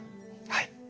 はい。